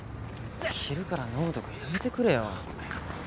昼から飲むとかやめてくれよ。